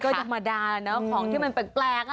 ก็ภรรดาของที่มันเป็นแปลก